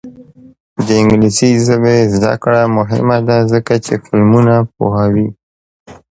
د انګلیسي ژبې زده کړه مهمه ده ځکه چې فلمونه پوهوي.